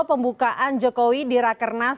pembukaan jokowi di rakenas